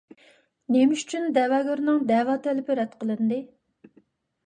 نېمە ئۈچۈن دەۋاگەرنىڭ دەۋا تەلىپى رەت قىلىندى؟